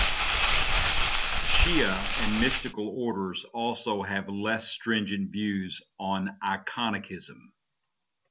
Shi'a and mystical orders also have less stringent views on aniconism.